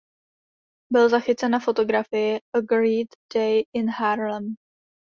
Byl zachycen na fotografii "A Great Day in Harlem".